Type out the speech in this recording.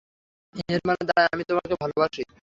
এর মানে দাঁড়ায়, আমি তোমাকে ভালোবাসি।